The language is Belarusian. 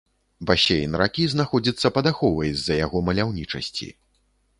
Басейн ракі знаходзіцца пад аховай з-за яго маляўнічасці.